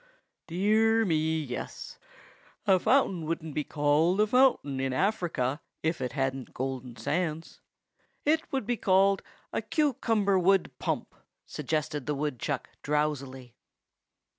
"Dear me, yes. A fountain wouldn't be called a fountain in Africa if it hadn't golden sands. It would be called a cucumber wood pump," suggested the woodchuck drowsily.